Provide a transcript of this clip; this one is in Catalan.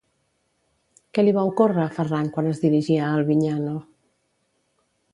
Què li va ocórrer a Ferran quan es dirigia a Alvignano?